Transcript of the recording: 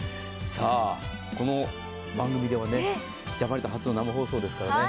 この番組ではジャパネット初の生放送ですからね。